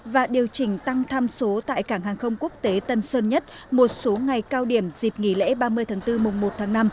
và điều chỉnh tăng tham số tại cảng hàng không quốc tế tân sơn nhất một số ngày cao điểm dịp nghỉ lễ ba mươi tháng bốn mùng một tháng năm